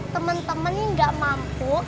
temen temen ini gak mampu